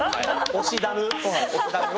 推しダム。